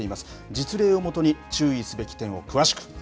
実例をもとに注意すべき点を詳しく。